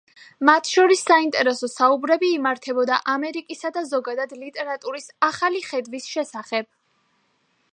მათ შორის საინტერესო საუბრები იმართებოდა ამერიკისა და ზოგადად ლიტერატურის „ახალი ხედვის“ შესახებ.